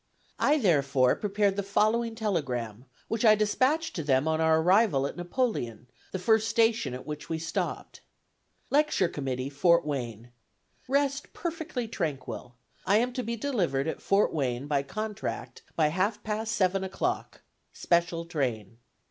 I therefore prepared the following telegram which I despatched to them on our arrival at Napoleon, the first station at which we stopped: Lecture Committee, Fort Wayne: Rest perfectly tranquil. I am to be delivered at Fort Wayne by contract by half past seven o'clock special train.